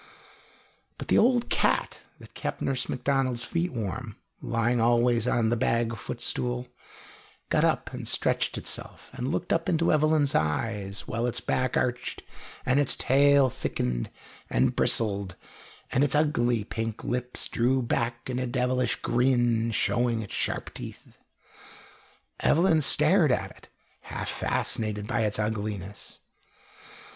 But the old cat that kept Nurse Macdonald's feet warm, lying always on the bag footstool, got up and stretched itself, and looked up into Evelyn's eyes, while its back arched, and its tail thickened and bristled, and its ugly pink lips drew back in a devilish grin, showing its sharp teeth. Evelyn stared at it, half fascinated by its ugliness.